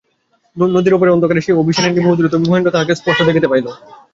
নদীর পরপারে অন্ধকারে সেই অভিসারিণী বহুদূরে–তবু মহেন্দ্র তাহাকে স্পষ্ট দেখিতে পাইল।